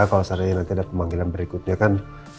kalau seandainya nanti ada pemanggilan berikutnya kan